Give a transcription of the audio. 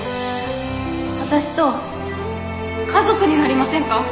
私と家族になりませんか？